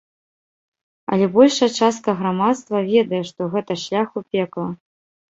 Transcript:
Але большая частка грамадства ведае, што гэта шлях у пекла.